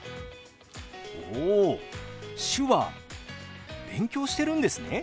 お手話勉強してるんですね。